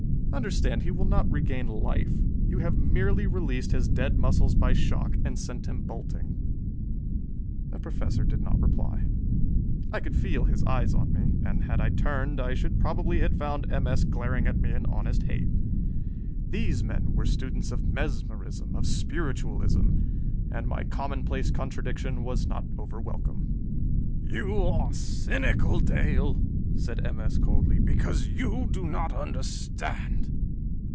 Understand, he will not regain life. You have merely released his dead muscles by shock, and sent him bolting." The Professor did not reply. I could feel his eyes on me, and had I turned, I should probably had found M. S. glaring at me in honest hate. These men were students of mesmerism, of spiritualism, and my commonplace contradiction was not over welcome. "You are cynical, Dale," said M. S. coldly, "because you do not understand!"